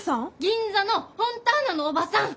銀座のフォンターナのおばさん！